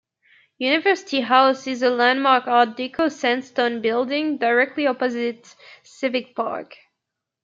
University House is a landmark Art Deco sandstone building directly opposite Civic Park.